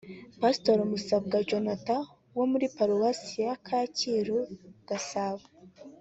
Pastori Musabwa Jonas wo muri Paruwasi ya Kacyiru (Gasabo)